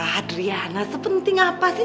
adriana sepenting apa sih